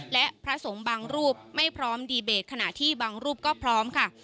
และพระสงฆ์บางรูปไม่พร้อมดีเบตขณะที่บางรูปก็พร้อมค่ะ